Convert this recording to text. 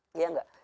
iya iya enggak